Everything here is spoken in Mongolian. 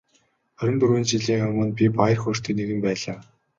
Хорин дөрвөн жилийн өмнө би баяр хөөртэй нэгэн байлаа.